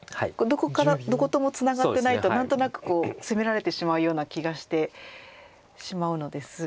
どこともツナがってないと何となく攻められてしまうような気がしてしまうのですが。